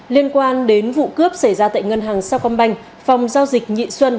liên quan đến vụ cướp xảy ra tại ngân hàng sao công banh phòng giao dịch nhị xuân